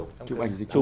chụp ảnh dịch vụ